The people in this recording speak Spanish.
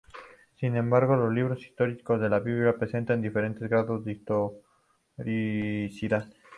Sin embargo, los libros históricos de la Biblia presentan diferentes grados de "historicidad".